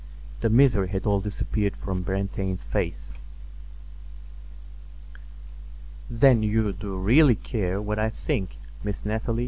The misery had all disappeared from Brantain's face. "Then you do really care what I think, Miss Nathalie?